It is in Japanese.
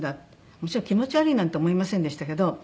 もちろん気持ち悪いなんて思いませんでしたけど。